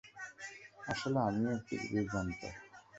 আসলে, আমিও একটু বিভ্রান্ত।